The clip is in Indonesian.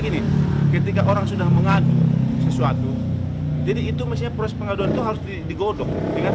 gini ketika orang sudah mengadu sesuatu jadi itu mestinya proses pengaduan itu harus digodok dengan